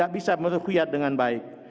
bisa meruhyat dengan baik